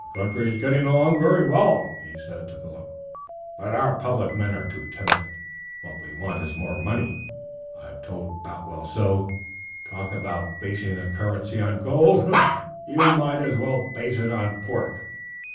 "The country is getting along very well," he said to Philip, "but our public men are too timid. What we want is more money. I've told Boutwell so. Talk about basing the currency on gold; you might as well base it on pork.